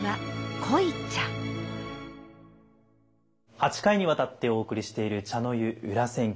８回にわたってお送りしている「茶の湯裏千家」。